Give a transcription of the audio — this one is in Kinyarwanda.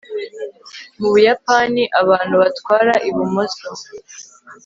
mu buyapani abantu batwara ibumoso